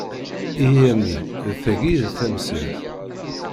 Ihi a mmi d tagi i d tamsirt!